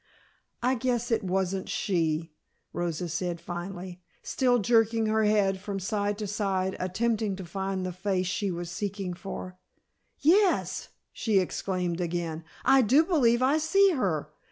"I guess it wasn't she," Rosa said finally, still jerking her head from side to side attempting to find the face she was seeking for. "Yes," she exclaimed again, "I do believe I see her.